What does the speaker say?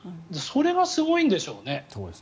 それがすごいんでしょうね。